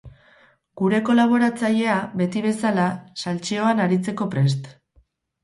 Gure kolaboratzailea, beti bezala, saltseoan aritzeko prest.